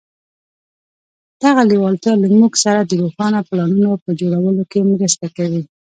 دغه لېوالتیا له موږ سره د روښانه پلانونو په جوړولو کې مرسته کوي.